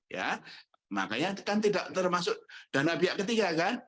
ya makanya itu kan tidak termasuk dana pihak ketiga kan